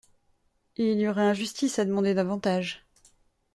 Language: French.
Il y aurait injustice à demander davantage.